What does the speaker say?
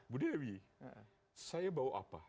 bu dewi saya bawa apa